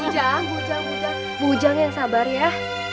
bu ujang bu ujang bu ujang yang sabar ya